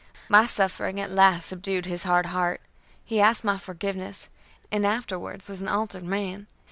My suffering at last subdued his hard heart; he asked my forgiveness, and afterwards was an altered man.